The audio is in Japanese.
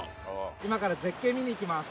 今から絶景を見に行きます。